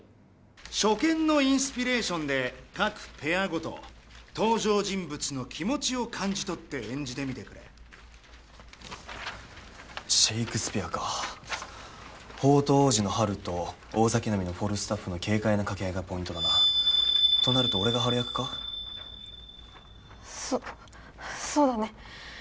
初見のインスピレーションで各ペアごと登場人物の気持ちを感じ取って演じてみてくれシェイクスピアか放とう王子のハルと大酒飲みのフォルスタッフの軽快な掛け合いがポイントだなとなると俺がハル役かそそうだね